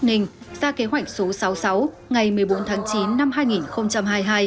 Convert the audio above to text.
đảng ủy công an tỉnh bắc ninh ra kế hoạch số sáu mươi sáu ngày một mươi bốn tháng chín năm hai nghìn hai mươi hai